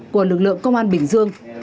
của lực lượng công an bình dương